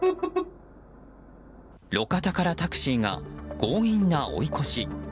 路肩からタクシーが強引な追い越し。